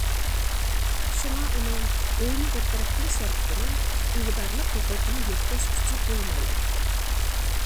شۇڭا ئۇنىڭ ئۆينى بىر تەرەپ قىلىش ھەرىكىتىنىڭ ئىگىدارلىق ھوقۇقىنى يۆتكەش كۈچى بولمايدۇ.